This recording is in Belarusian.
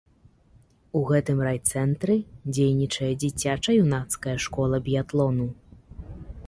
У гэтым райцэнтры дзейнічае дзіцяча-юнацкая школа біятлону.